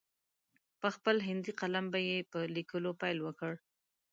په خپل هندي قلم به یې په لیکلو پیل وکړ.